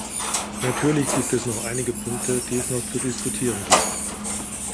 Natürlich gibt es noch einige Punkte, die es noch zu diskutieren gilt.